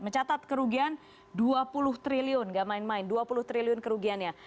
mencatat kerugian dua puluh triliun gak main main dua puluh triliun kerugiannya